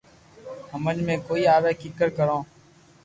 ھمج مي ڪوئي آوي ڪيڪر ڪرو